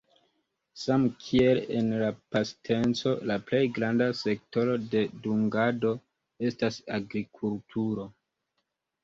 Samkiel en la pasinteco, la plej granda sektoro de dungado estas agrikulturo.